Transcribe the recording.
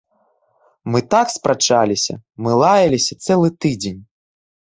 Мы так спрачаліся, мы лаяліся цэлы тыдзень.